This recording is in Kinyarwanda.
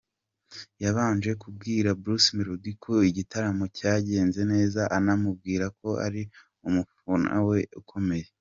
Yabanje kubwira Bruce Melodie ko igitaramo cyagenze neza anamubwira ko ari umufana we ukomeye.